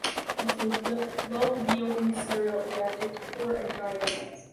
It’s a low-yielding cereal adapted to poor and dry lands.